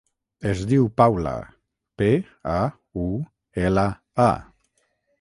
Es diu Paula: pe, a, u, ela, a.